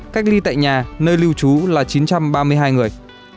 cách ly tại nhà nơi lưu trú là chín trăm ba mươi hai người